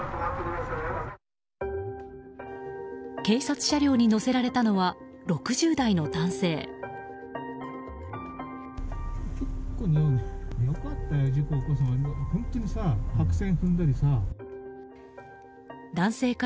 警察車両に乗せられたのは６０代の男性。